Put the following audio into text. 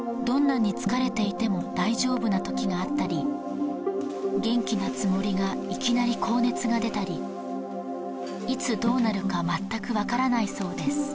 どんなに疲れていても大丈夫な時があったり元気なつもりがいきなり高熱が出たりいつどうなるか全くわからないそうです